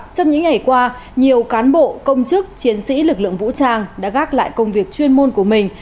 trong những ngày qua nhiều cán bộ công chức chiến sĩ lực lượng vũ trang đã gác lại công việc chuyên môn của mình